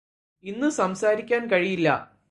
ഇന്ന് സംസാരിക്കാൻ കഴിയില്ലാ